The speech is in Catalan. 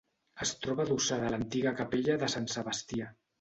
Es troba adossada a l'antiga capella de Sant Sebastià.